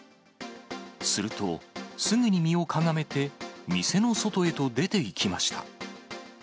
すると、すぐに身をかがめて、店の外へと出ていきました。